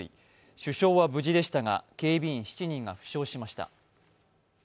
首相は無事でしたが、警備員７人が負傷しました。